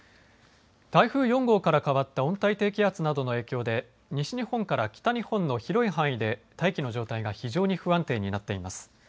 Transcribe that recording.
台風４号から変わった温帯低気圧などの影響で西日本から北日本の広い範囲で大気の状態が非常に不安定になっています。